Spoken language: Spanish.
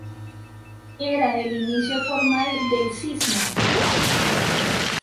Era el inicio formal del cisma.